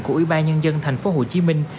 của ủy ban nhân dân thành phố hồ chí minh